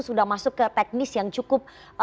sudah masuk ke teknis yang cukup